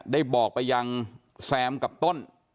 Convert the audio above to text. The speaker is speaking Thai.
ได้บอกไปยังแซมกับต้น